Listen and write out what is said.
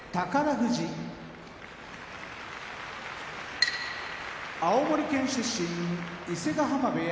富士青森県出身伊勢ヶ濱部屋